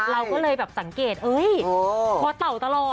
เราก็เลยแบบสังเกตพอเต่าตลอด